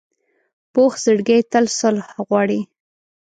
پوخ زړګی تل صلح غواړي